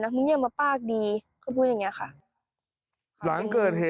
หลังเกิด